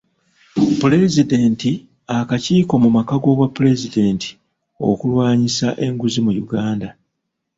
Pulezidenti akakiiko mu maka g’Obwapulezidenti okulwanyisa enguzi mu Uganda.